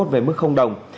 về mức đồng